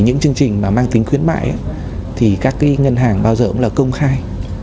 những chương trình mà mang tính khuyến mại thì các cái ngân hàng bao giờ cũng là công khai